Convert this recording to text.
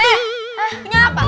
eh punya apa